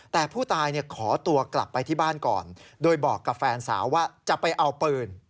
แต่ผู้ตายขอตัวกลับไปที่บ้านก่อนโดยบอกกับแฟนสาวว่าจะไปเอาปืน